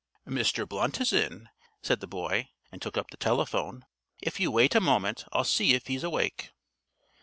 "Mr. Blunt is in," said the boy, and took up the telephone. "If you wait a moment I'll see if he's awake."